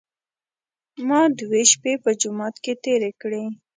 ما دوې شپې په جومات کې تېرې کړې.